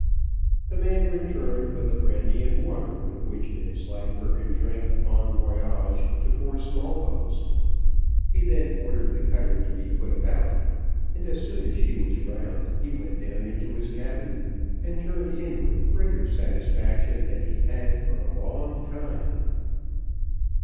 The man returned with the brandy and water, with which Vanslyperken drank bon voyage to poor Smallbones. He then ordered the cutter to be put about, and as soon as she was round, he went down into his cabin and turned in with greater satisfaction than he had for a long time.